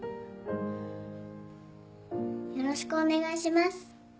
よろしくお願いします